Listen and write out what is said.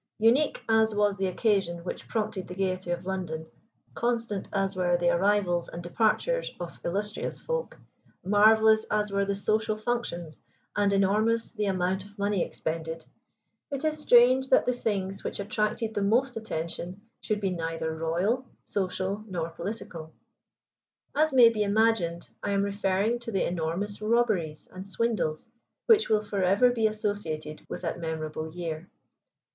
Unique as was the occasion which prompted the gaiety of London, constant as were the arrivals and departures of illustrious folk, marvelous as were the social functions, and enormous the amount of money expended, it is strange that the things which attracted the most attention should be neither royal, social, nor political. As may be imagined, I am referring to the enormous robberies and swindles which will forever be associated with that memorable year.